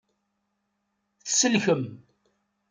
Tselkem.